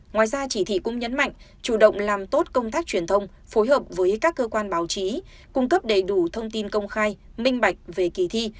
ngoài ra chỉ thị cũng nhấn mạnh chủ động làm tốt công tác truyền thông phối hợp với các cơ quan báo chí cung cấp đầy đủ thông tin công khai minh bạch về kỳ thi